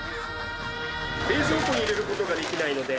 冷蔵庫に入れることができないので。